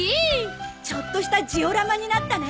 ちょっとしたジオラマになったね。